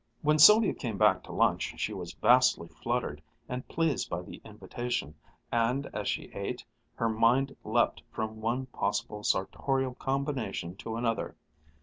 When Sylvia came back to lunch she was vastly fluttered and pleased by the invitation, and as she ate, her mind leaped from one possible sartorial combination to another.